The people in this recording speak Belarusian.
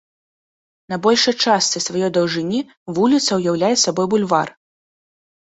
На большай частцы сваёй даўжыні вуліца ўяўляе сабой бульвар.